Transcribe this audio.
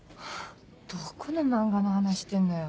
どこの漫画の話してんのよ。